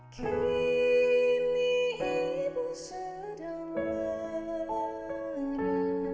kini ibu sedang lari